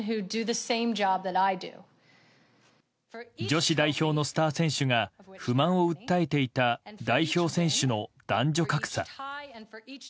女子代表のスター選手が不満を訴えていた代表選手の男女格差。